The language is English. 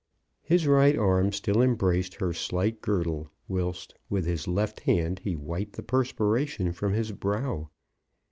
His right arm still embraced her slight girdle, whilst with his left hand he wiped the perspiration from his brow.